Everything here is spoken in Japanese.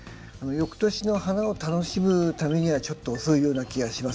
よくとしの花を楽しむためにはちょっと遅いような気がします。